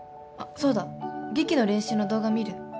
そうだ劇の練習の動画見る？